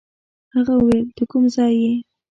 هغه ویل د کوم ځای یې.